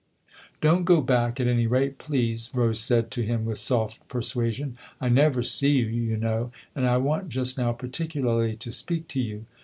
tl Don't go back, at any rate, please," Rose said to him with soft persuasion. " I never see you, you know, and I want just now particularly to speak to you."